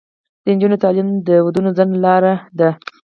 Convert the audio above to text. د نجونو تعلیم د ودونو ځنډ لاره ده.